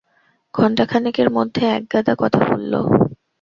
ঘন্টাখানেকের মধ্যে একগাদা কথা বলল।